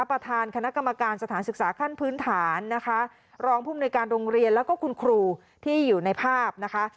ประธานคณะกรรมการสถานศึกษาขั้นพื้นฐานนะคะรองภูมิในการโรงเรียนแล้วก็คุณครูที่อยู่ในภาพนะคะ